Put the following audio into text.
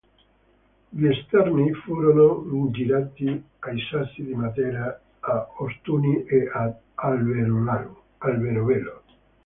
Gli esterni furono girati ai Sassi di Matera, a Ostuni e ad Alberobello.